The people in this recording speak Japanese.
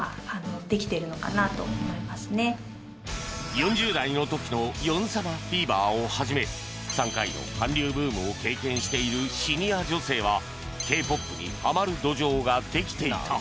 ４０代の時のヨン様フィーバーをはじめ３回の韓流ブームを経験しているシニア女性は Ｋ−ＰＯＰ にハマる土壌ができていた